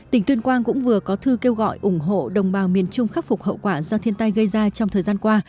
tỉnh tuyên quang cũng vừa có thư kêu gọi ủng hộ đồng bào miền trung khắc phục hậu quả do thiên tai gây ra trong thời gian qua